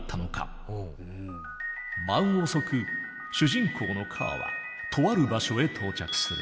晩遅く主人公のＫはとある場所へ到着する。